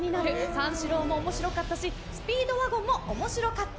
三四郎も面白かったしスピードワゴンも面白かった。